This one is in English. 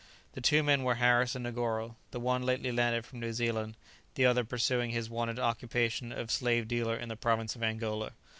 The two men were Harris and Negoro, the one lately landed from New Zealand, the other pursuing his wonted occupation of slave dealer in the province of Angola.